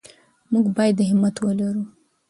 موږ باید همت ولرو.